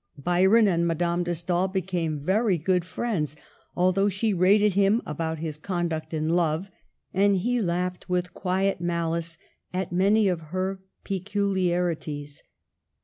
Byron and Madame de Stael became very good friends, although she rated him about his conduct in love ; and he laughed, with quiet malice, at many of her peculiarities.